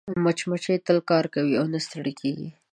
مچمچۍ تل کار کوي او نه ستړې کېږي